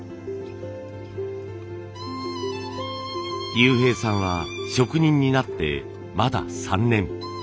悠平さんは職人になってまだ３年。